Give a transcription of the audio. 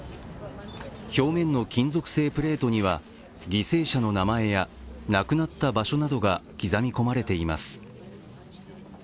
表面の金属製プレートには犠牲者の名前や亡くなった場所などが刻み込まれています。